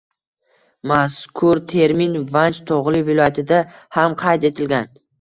Mazkur termin Vanch tog‘li viloyatida ham qayd etilgan: